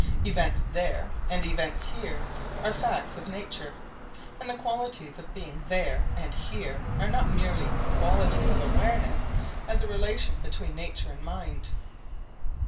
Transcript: Events there and events here are facts of nature, and the qualities of being 'there' and 'here' are not merely qualities of awareness as a relation between nature and mind.